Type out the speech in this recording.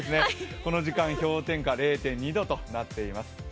この時間、氷点下０．２度となっています。